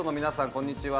こんにちは。